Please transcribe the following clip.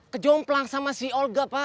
kejomplang sama si olga pak